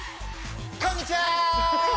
こんにちは！